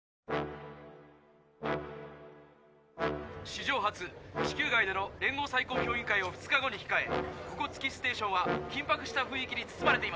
「史上初地球外での連合最高評議会を２日後にひかえここ月ステーションは緊迫した雰囲気に包まれています。